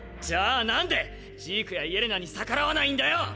⁉じゃあ何で⁉ジークやイェレナに逆らわないんだよ